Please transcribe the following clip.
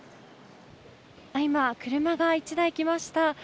今、車が１台来ました。